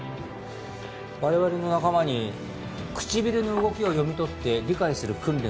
我々の仲間に唇の動きを読み取って理解する訓練を受けた者がいましてね。